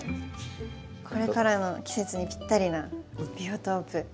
これからの季節にぴったりなビオトープ。